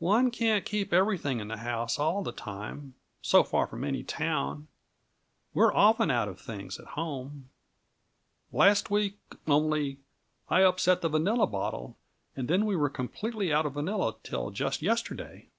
"One can't keep everything in the house all the time, so far from any town. We're often out of things, at home. Last week, only, I upset the vanilla bottle, and then we were completely out of vanilla till just yesterday."